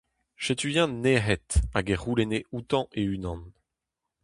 Setu-eñ nec'het, hag e c'houlenne outañ e-unan :